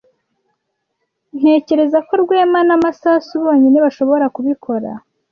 Ntekereza ko Rwema na Masasu bonyine bashobora kubikora.